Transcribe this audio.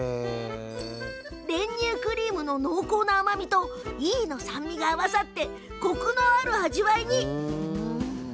練乳クリームの濃厚な甘みと飯の酸味が合わさってコクのある味わいに。